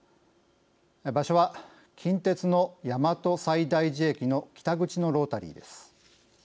場所は、近鉄の大和西大寺駅の北口のロータリーです。